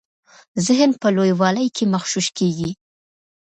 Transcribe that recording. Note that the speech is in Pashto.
ذهن په لویوالي کي مغشوش کیږي.